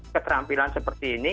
keterampilan seperti ini